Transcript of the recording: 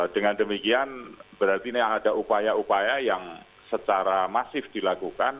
dengan demikian berarti ini ada upaya upaya yang secara masif dilakukan